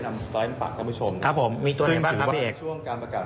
นำตามฝากท่านผู้ชมครับผมธูรภารกิจว่าช่วงการประกาศ